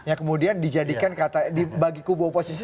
ya kemudian dijadikan bagi kubu oposisi